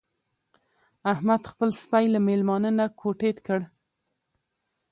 احمد خپل سپی له مېلمانه نه کوتې کړ.